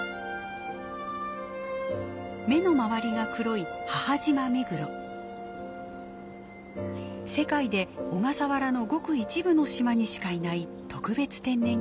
目の周りが黒い世界で小笠原のごく一部の島にしかいない特別天然記念物です。